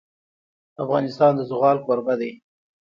افغانستان د زغال کوربه دی.